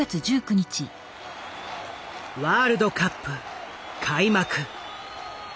ワールドカップ開幕。